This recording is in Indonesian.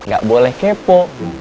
gak boleh kepo